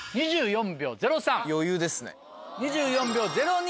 余裕ですね。